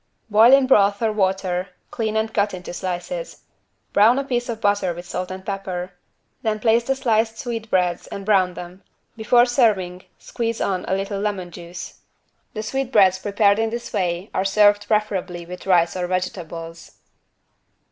= Boil in broth or water, clean and cut into slices. Brown a piece of butter with salt and pepper. Then place the sliced sweetbreads and brown them. Before serving squeeze on a little lemon juice. The sweetbreads prepared in this way are served preferably with rice or vegetables.